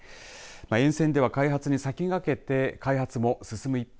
沿線では開業に先駆けて開発も進む一方